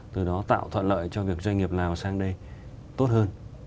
từ đó tạo thuận lợi cho việc doanh nghiệp nào sang đây tốt hơn